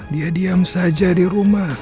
dia diam saja di rumah